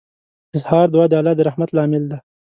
• د سهار دعا د الله د رحمت لامل دی.